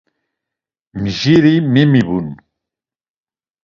Mjiri memibun.